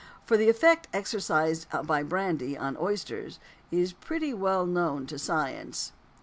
For the effect exercised by brandy on oysters is pretty well known to science.